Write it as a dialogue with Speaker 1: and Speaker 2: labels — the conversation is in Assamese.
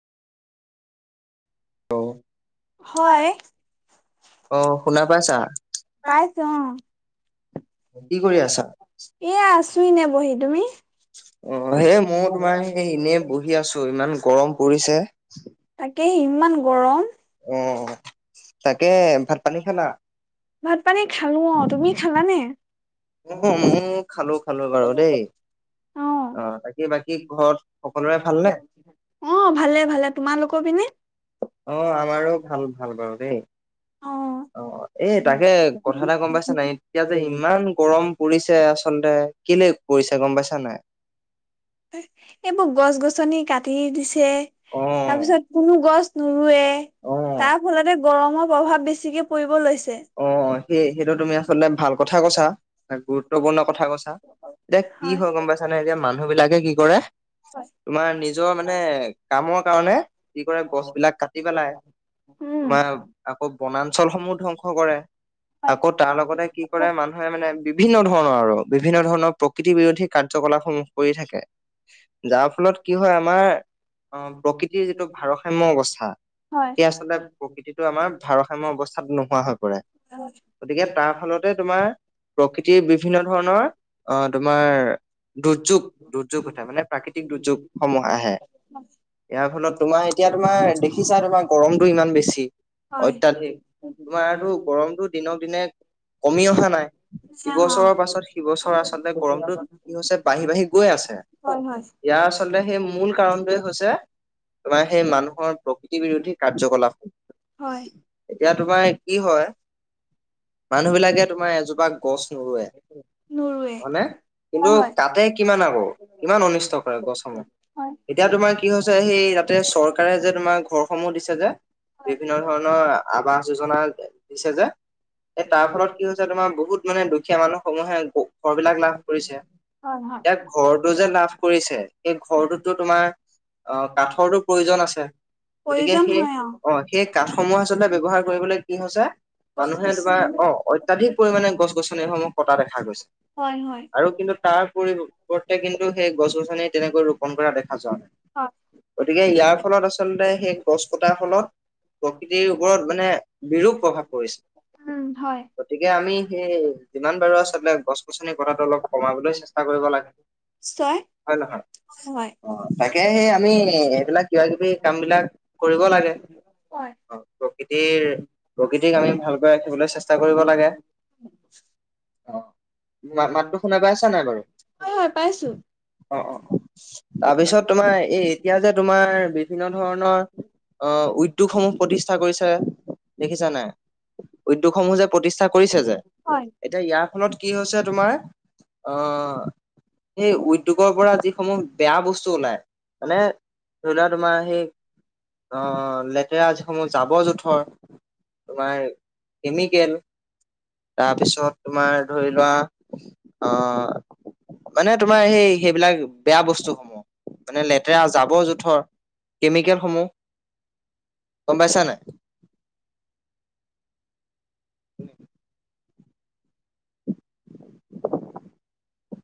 Speaker 1: অ',
Speaker 2: হয় শুনা পাইছা পাইছোঁ অ কি কৰি আছা, এয়া আছোঁ নে বহি তুমি?
Speaker 1: অ', সেই ময়ো তোমাৰ সেই এনেই বহি আছো ইমান গৰম পৰিছে
Speaker 2: তাক কেহ ইমান গৰম
Speaker 1: অহ তাকে ভাত পানী খালা?
Speaker 2: ভাত পানী খালোঁ অ তুমি খালানে
Speaker 1: অ', ময়ো খালো খালো বাৰু দেই।
Speaker 2: আহ
Speaker 1: অ', বাকী বাকী ঘৰত সকলোৰে ভালনে?
Speaker 2: আহ ভালে ভালে তোমালোকৰ পিনে
Speaker 1: অ আমাৰো ভাল ভাল বাৰু দেই।
Speaker 2: অ
Speaker 1: অ এই তাকে কথা এটা গম পাইছে, নাই এতিয়া যে ইমান গৰম পৰিছে আচলতে কেলেই পৰিছা গম পাইছা নাই?
Speaker 2: এইবোৰ গছ গছনি কাটি দিছে, যে
Speaker 1: অ',
Speaker 2: তাৰপিছত কোনো গছ নোৰোৱে
Speaker 1: অ',
Speaker 2: তাৰ ফলতে গৰমৰ প্ৰভাৱ বেছিকে পৰিব লৈছ
Speaker 1: অ সেই সেইটো তুমি আচলতে ভাল কথা কৈছা, গুৰুত্বপূৰ্ণ কথা কৈছা, এতিয়া কি হয় গম পাইছানে? এতিয়া মানুহ বিলাকে কি কৰে তোমাৰ নিজৰ মানে কামৰ কাৰণে কি কৰে, গছ বিলাক কাটি পেলাই,
Speaker 2: উম
Speaker 1: তোমাৰ আকৌ বনাঞ্চলসমূহ ধ্বং কৰে আকৌ তাৰ লগতে
Speaker 2: হয়
Speaker 1: কি কৰে, মানুহে মানে বিভিন্ন ধৰণৰ আৰু বিভিন্ন ধৰণৰ প্ৰকৃতি বিৰোধী কাৰ্যকলাপ সমূহ কৰি থাকে। যাৰ ফলত কি হয় আমাৰ অ প্ৰকৃতিৰ যিটো ভাৰসাম্য অৱস্থা, সেই আচলতে প্ৰকৃতিটো আমাৰ ভাৰসাম্য অৱস্থাত নোহোৱা হয়। গতিকে তাৰ ফলতে তোমাৰ প্ৰকৃতিৰ বিভিন্ন ধৰণৰ। অ তোমাৰ দুৰ্যোগ দুৰ্যোগ উঠে মানে প্ৰাকৃতিক দুৰ্যোগসমূহ আহে, ইয়াৰ ফলত তোমাৰ এতিয়া তোমাৰ দেখিছা তোমাৰ গৰম ইমান বেছি অত্যাধিক তোমাৰ
Speaker 2: হয় হয়
Speaker 1: গৰমটো দিনক দিনে কমি অহা নাই
Speaker 2: হয়
Speaker 1: ইবছৰৰ পাছত সিবছৰ আচলতে গৰমটো কি হৈছে বাঢ়ি বাঢ়ি গৈ আছে।
Speaker 2: হয়
Speaker 1: ইয়াৰ আচলতে সেই মূল কাৰণটোৱে হৈছে তোমাৰ সেই মানুহৰ প্ৰকৃতি বিৰোধী কা কাৰ্যকলাপ,
Speaker 2: হয়
Speaker 1: এতিয়া তোমাৰ কি হয় মানুহ বিলাকে তোমাৰ এজোপা গছ নৰুৱে
Speaker 2: নোৰুৱে
Speaker 1: হয়নে? কিন্তু
Speaker 2: হয় হয়
Speaker 1: তাতে কিমান আকৌ কিমান অনিষ্ট কৰে গছসমূহ।
Speaker 2: হয়
Speaker 1: এতিয়া তোমাৰ কি হৈছে সেই তাতে চৰকাৰে যে তোমাৰ ঘৰসমূহ দিছে [unintelligible]
Speaker 2: হয়
Speaker 1: বিভিন্ন ধৰণৰ আৱাস যোজনা। বিছ হাজাৰ। এ তাৰ ফলত কি হৈছে তোমাৰ বহুত মানে দুখীয়া মানুহ সমূহে ঘৰ বিলাক লাভ কৰিছে।
Speaker 2: হয় হয়
Speaker 1: এতিয়া ঘৰটো যে লাভ কৰিছে সেই ঘৰটোতো তোমাৰ কাঠৰটো প্ৰয়োজন আছে। গতিকে
Speaker 2: প্ৰয়োজন
Speaker 1: সেই
Speaker 2: হয়
Speaker 1: অ, সেই কাঠসমূহ আচলতে ব্যাৱহাৰ কৰিবলে কৈছে
Speaker 2: গছ
Speaker 1: মানুহে
Speaker 2: গছনি
Speaker 1: অ, অত্যাধিক পৰিমানে গছ-গছনিসমূহ কটা দেখা গৈছে।
Speaker 2: হয় হয়
Speaker 1: আৰু কিন্তু তাৰ পৰিৱৰ্তে কিন্তু সেই গছ- গছনিত তেনেকৈ ৰোপণ কৰা দেখা
Speaker 2: হয়
Speaker 1: গতিকে ইয়াৰ ফলত আচলতে সেই গছ কটাৰ ফলত প্ৰকৃতিৰ ওপৰত মানে বিৰূপ প্ৰভাৱ পৰিছে।
Speaker 2: উম হয়
Speaker 1: গতিকে আমি সেই যিমান পাৰোঁ আচলতে সেই গছ-গছনি কটাটো অলপ কমাবলৈ চেষ্টা কৰিব লাগে
Speaker 2: নিশ্চয়
Speaker 1: হয় নে নহয়?
Speaker 2: হয়
Speaker 1: অ, তাকে সেই আমি এইবিলাক কিবা কিবি কাম বিলাক কৰিব লাগে।
Speaker 2: হয়
Speaker 1: অ, প্ৰকৃতিৰ প্ৰকৃতিক আমি ভালকৈ ৰাখিবলৈ চেষ্টা কৰিব লাগে। অ', মাতটো শুনা পাই আছা নাই বাৰু?
Speaker 2: হয় হয় পাইছো
Speaker 1: অ', অ', অ', তাৰপিছত তোমাৰ এই এতিয়া যে তোমাৰ বিভিন্ন ধৰণৰ অ' উদ্যোগসমূহ প্ৰতিষ্ঠা কৰিছে। দেখিছা নাই? উদ্যোগসমূহ যে প্ৰতিষ্ঠা কৰিছে যে,
Speaker 2: হয়
Speaker 1: এতিয়া ইয়াত ইযাৰ ফলত কি হৈছে তোমাৰ আহ সেই উদ্যোগৰ পৰা যিসমূহ বেয়া বস্তু ওলাই মানে ধৰি লোৱা তোমাৰ সেই আহ লেতেৰা যিসমূহ জাবৰ-জোথৰ। তোমাৰ কেমিকেল, তাৰপিছত তোমাৰ ধৰি লোৱা আহ মানে তোমাৰ সেই সেইবিলাক বেয়া বস্তুসমূহ মানে লেতেৰা জাবৰ-জোথৰ, কেমিকেলসমূহ গম পাইছানে নাই? [unintelligible]